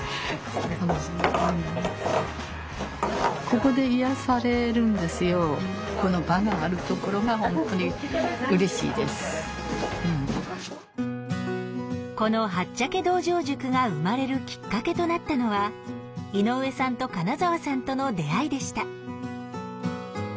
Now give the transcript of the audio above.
ここは当事者にとってこの「はっちゃけ道場宿」が生まれるきっかけとなったのは井上さんと金澤さんとの出会いでした。